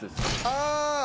ああ！